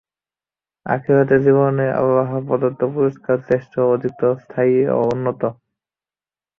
আখিরাতের জীবনে আল্লাহ প্রদত্ত পুরস্কারই শ্রেষ্ঠ, অধিকতর স্থায়ী ও উন্নতর।